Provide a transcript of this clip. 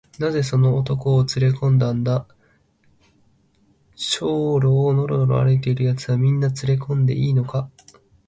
「なぜその男をつれこんだんだ？小路をのろのろ歩いているやつは、みんなつれこんでいいのか？」